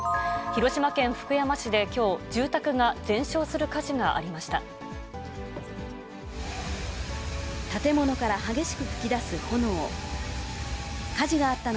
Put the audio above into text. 広島県福山市できょう、住宅が全焼する火事がありました。